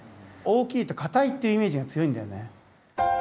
大きいと硬いっていうイメージが強いんだよね。